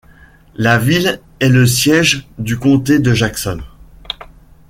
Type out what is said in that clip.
La ville est le siège du comté de Jackson.